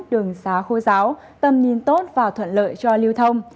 đường xá khô giáo tầm nhìn tốt và thuận lợi cho lưu thông